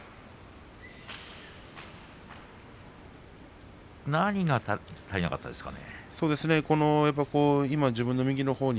魁勝は何が足りなかったですかね。